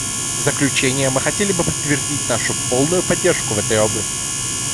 В заключение мы хотели бы подтвердить нашу полную поддержку в этой области.